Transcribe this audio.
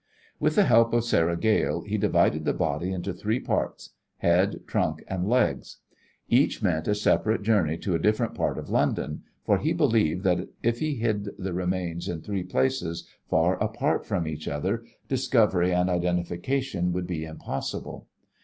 With the help of Sarah Gale he divided the body into three parts head, trunk and legs. Each meant a separate journey to a different part of London, for he believed that if he hid the remains in three places far apart from each other discovery and identification would be impossible.